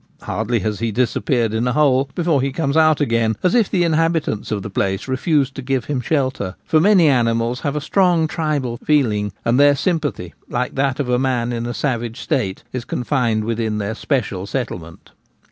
Hardly has he disappeared in a hole before he comes out again, as if the inhabitants of the place refused to give him shelter. For many animals have a strong tribal feeling, and their sympathy, like that of 1 1 8 The Gamekeeper at Home. man in a savage state, is confined within their special settlement.